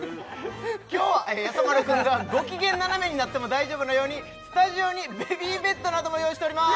今日はやさ丸くんがご機嫌斜めになっても大丈夫なようにスタジオにベビーベッドなども用意しております